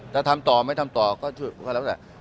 จะทำต่อไหมทำต่อก็ช่วยพวกเขาแล้วแหละ